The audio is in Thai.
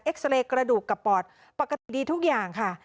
ซาเรย์กระดูกกับปอดปกติดีทุกอย่างค่ะ